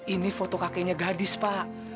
ini foto kakeknya gadis pak